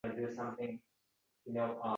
Viloyat hokimiga birinchi o‘rinbosar tayinlandi